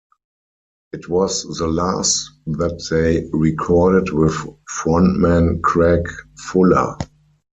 It was the last that they recorded with frontman Craig Fuller.